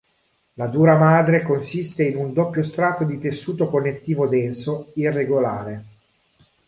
La dura madre consiste in un doppio strato di tessuto connettivo denso irregolare.